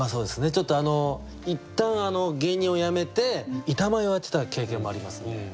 ちょっとあの一旦芸人を辞めて板前をやってた経験もありますんで。